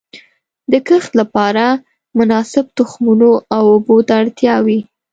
د کښت لپاره مناسب تخمونو او اوبو ته اړتیا وي.